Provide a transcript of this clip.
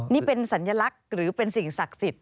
นี่เป็นสัญลักษณ์หรือเป็นสิ่งศักดิ์สิทธิ